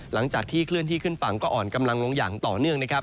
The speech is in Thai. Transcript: หลังจากที่เคลื่อนที่ขึ้นฝั่งก็อ่อนกำลังลงอย่างต่อเนื่องนะครับ